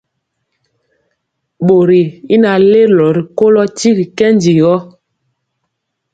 Bori y naŋ lelo rikolo tyigi nkɛndi.